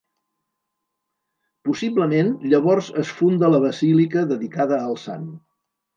Possiblement llavors es funda la basílica dedicada al sant.